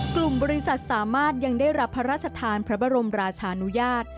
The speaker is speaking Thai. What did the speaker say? กลุ่มบริษัทสามารถยังได้รับพระราชทานพระบรมราชานุญาต